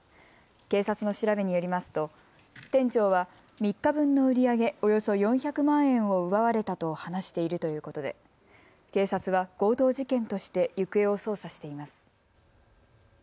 警察の調べによりますと店長は３日分の売り上げおよそ４００万円を奪われたと話しているということで警察は強盗事件として行方を捜査しています。